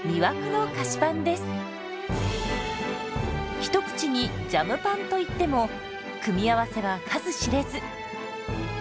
一口に「ジャムパン」といっても組み合わせは数知れず。